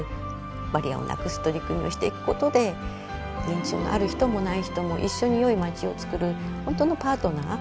バリアをなくす取り組みをしていくことで認知症のある人もない人も一緒によい町をつくる本当のパートナー。